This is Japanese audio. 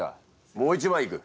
もう一枚いく。